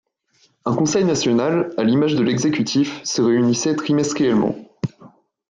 Un Conseil national, à l'image de l'exécutif, se réunissait trimestriellement.